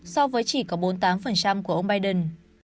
so với chỉ có bốn mươi tám của ông biden